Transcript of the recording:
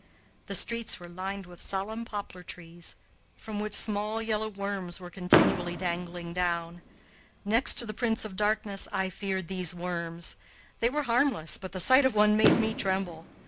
The streets were lined with solemn poplar trees, from which small yellow worms were continually dangling down. Next to the Prince of Darkness, I feared these worms. They were harmless, but the sight of one made me tremble.